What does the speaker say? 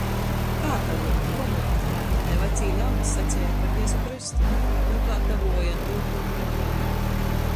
Kātavuot, komuot - tai vacī ļauds saceja par Jezu Krystu. Nūkātavuoja, nūkomuoja.